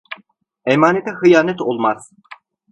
Emanete hıyanet olmaz.